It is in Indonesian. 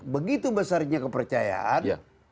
begitu besarnya kepercayaan